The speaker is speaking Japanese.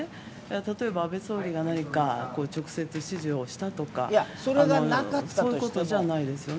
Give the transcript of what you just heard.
例えば、安倍総理が何か直接、指示をしたとかそういうことじゃないですよね。